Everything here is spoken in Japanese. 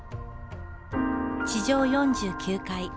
地上４９階。